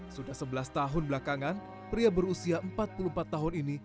sudah sebelas tahun belakangan pria berusia empat puluh empat tahun ini